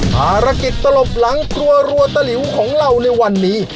ภารกิจตลบหลังครัวรัวตะหลิวของเราในวันนี้